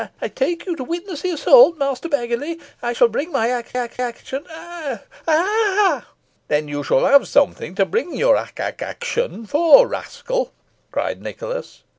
I take you to witness the assault, Master Baggiley. I shall bring my ac ac ah o o oh!" "Then you shall have something to bring your ac ac action for, rascal," cried Nicholas.